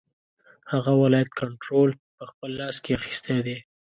هغه ولایت کنټرول په خپل لاس کې اخیستی دی.